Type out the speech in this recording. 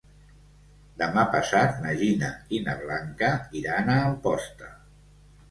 Demà passat na Gina i na Blanca iran a Amposta.